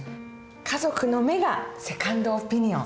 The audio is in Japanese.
家族の目がセカンドオピニオン。